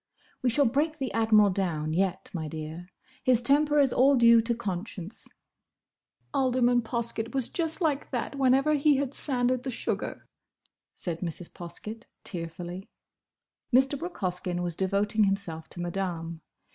"We shall break the Admiral down, yet, my dear. His temper is all due to conscience." "Alderman Poskett was just like that whenever he had sanded the sugar," said Mrs. Poskett, tearfully. Mr. Brooke Hoskyn was devoting himself to Madame.